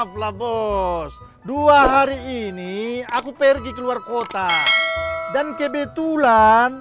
maaflah bos dua hari ini aku pergi ke luar kota dan kb tulang